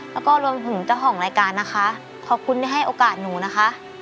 แล้วก็รวมถึงเจ้าของรายการนะคะขอบคุณที่ให้โอกาสหนูนะคะ